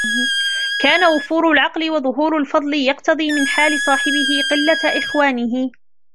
كَانَ وُفُورُ الْعَقْلِ وَظُهُورُ الْفَضْلِ يَقْتَضِي مِنْ حَالِ صَاحِبِهِ قِلَّةَ إخْوَانِهِ